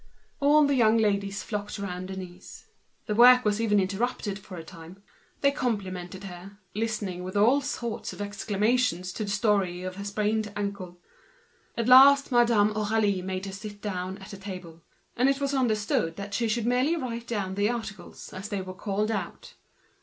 All the young ladies flocked round Denise. The work was interrupted even for a time. They complimented her, listening with various exclamations to the story of her sprained ankle. At last Madame Aurélie made her sit down at a table; and it was understood that she should merely write down the articles as they were called out.